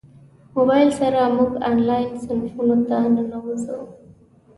موبایل سره موږ انلاین صنفونو ته ننوځو.